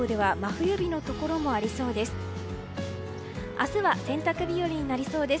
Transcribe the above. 明日は洗濯日和になりそうです。